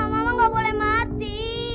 mama tidak boleh mati